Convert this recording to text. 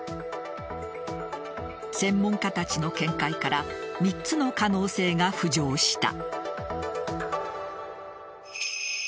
専門家たちの見解から３つの可能性が浮上した。